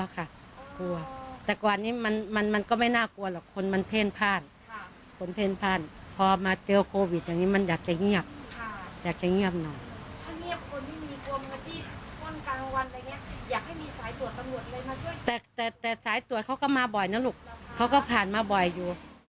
เขาก็ผ่านมาบ่อยอยู่